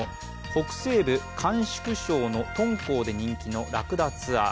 北西部・甘粛省の敦煌で人気のラクダツアー。